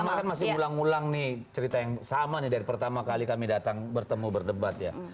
pertama kan masih ulang ulang nih cerita yang sama nih dari pertama kali kami datang bertemu berdebat ya